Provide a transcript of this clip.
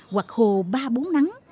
hoặc khô ba bốn nắng